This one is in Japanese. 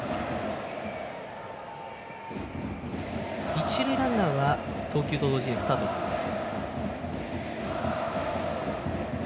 一塁ランナーは投球と同時にスタートを切ります。